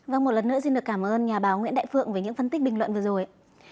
và một lần nữa xin được cảm ơn nhà báo nguyễn đại phượng với những phân tích bình luận vừa rồi